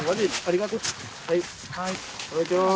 はいいただきます。